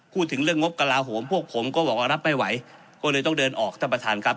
พูดถึงเรื่องงบกระลาโหมพวกผมก็บอกว่ารับไม่ไหวก็เลยต้องเดินออกท่านประธานครับ